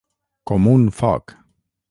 Com un foc.